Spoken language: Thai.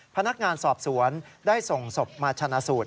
พนักงานสอบสวนได้ส่งศพมาชนะสูตร